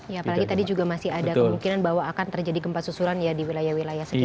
ya apalagi tadi juga masih ada kemungkinan bahwa akan terjadi gempa susulan ya di wilayah wilayah sekitar